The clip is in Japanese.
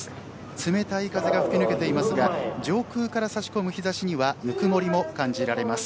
冷たい風が吹き抜けていますが上空から差し込む光にはぬくもりも感じられます。